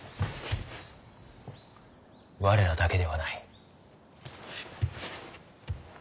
我らだけではない。